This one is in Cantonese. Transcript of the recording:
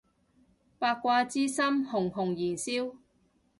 八卦之心熊熊燃燒